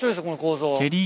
この構造。